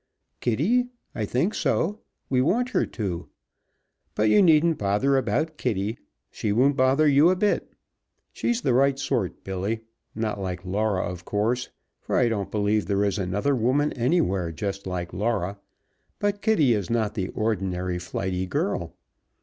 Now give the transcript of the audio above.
"Kitty? I think so. We want her to. But you needn't bother about Kitty. She won't bother you a bit. She's the right sort, Billy. Not like Laura, of course, for I don't believe there is another woman anywhere just like Laura, but Kitty is not the ordinary flighty girl.